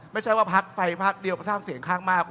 ไม่ใช่ว่าฝั่งฟัยภักษ์เดียวสร้างเสียงขึ้นมาก